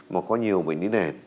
mà có nhiều bệnh nền